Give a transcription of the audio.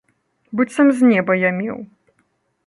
Быццам з неба я меў.